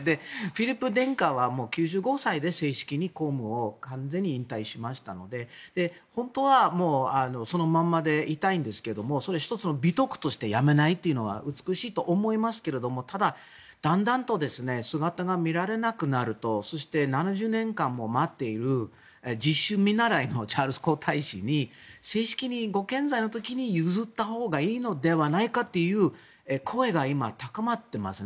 フィリップ殿下は９５歳で正式に公務を完全に引退しましたので本当はそのままでいたいんですが１つの美徳としてやめないというのは美しいとは思いますがただ、だんだんと姿が見られなくなるとそして７０年間も待っている実習見習いのチャールズ皇太子の正式にご健在の時に譲ったほうがいいのではないかという声が今、高まっています。